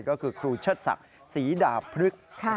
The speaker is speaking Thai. ก็คือครูเชิดศักดิ์ศรีดาพฤกษ์